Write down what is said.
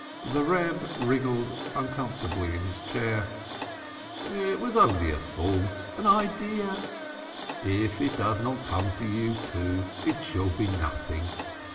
The Reb wriggled uncomfortably in his chair. "It was only a thought an idea. If it does not come to you, too, it shall be nothing.